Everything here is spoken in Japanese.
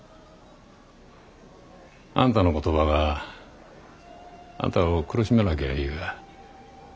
あんたの言葉があんたを苦しめなきゃいいが。